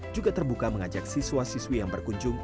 juga terbuka mengajak siswa siswi yang berkunjung